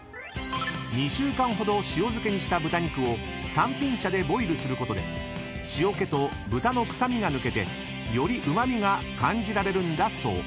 ［２週間ほど塩漬けにした豚肉をさんぴん茶でボイルすることで塩気と豚の臭みが抜けてよりうま味が感じられるんだそう］